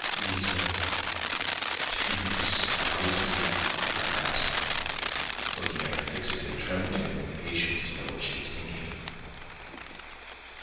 "Liza, do you despise me?" I asked, looking at her fixedly, trembling with impatience to know what she was thinking.